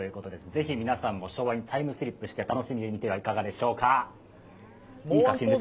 ぜひ皆さんも昭和にタイムスリップして楽しんでみてはいかがでしょうか。